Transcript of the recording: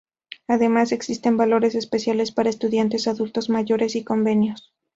Además existen valores especiales para estudiantes, adultos mayores y convenios.